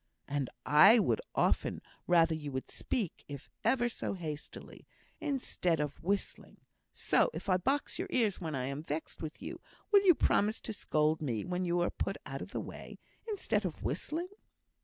"And I would often rather you would speak, if ever so hastily, instead of whistling. So, if I box your ears when I am vexed with you, will you promise to scold me when you are put out of the way, instead of whistling?"